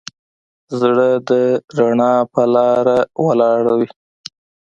زړه د رڼا په لاره ولاړ وي.